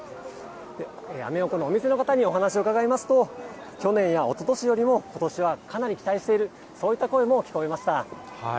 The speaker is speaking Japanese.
アメ横のお店の方にお話を伺いますと、去年やおととしよりも、ことしはかなり期待している、そういった声も聞こえました。